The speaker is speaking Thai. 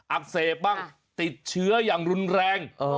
อักเสบบ้างติดเชื้ออย่างรุนแรง